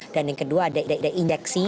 dan yang kedua ada indeksi